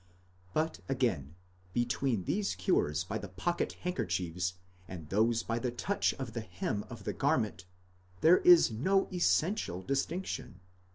But again, between these cures by the pocket handkerchiefs and those by the touch of the hem of the garment, there is no essential distinction.